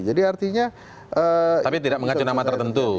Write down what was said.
artinya tapi tidak mengacu nama tertentu